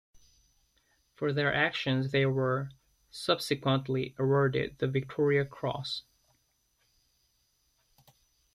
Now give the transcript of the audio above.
For their actions they were subsequently awarded the Victoria Cross.